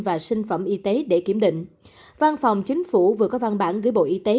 và sinh phẩm y tế để kiểm định văn phòng chính phủ vừa có văn bản gửi bộ y tế